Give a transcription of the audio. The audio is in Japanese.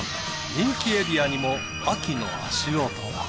人気エリアにも秋の足音が。